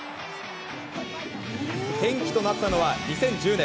転機となったのは２０１０年。